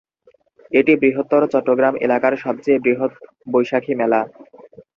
এটি বৃহত্তর চট্টগ্রাম এলাকার সবচেয়ে বৃহৎ বৈশাখী মেলা।